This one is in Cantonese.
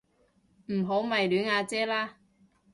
唔好迷戀阿姐啦